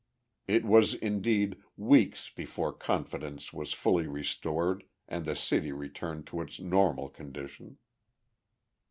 It was, indeed, weeks before confidence was fully restored and the city returned to its normal condition.